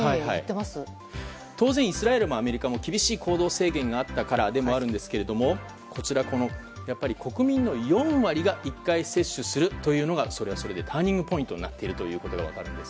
当然、イスラエルもアメリカも厳しい行動制限があったからでもあるんですが国民の４割が１回接種するというのがターニングポイントになっていることが分かります。